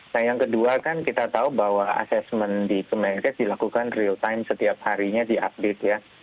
nah yang kedua kan kita tahu bahwa assessment di kemenkes dilakukan real time setiap harinya di update ya